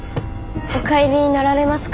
お帰りになられますか？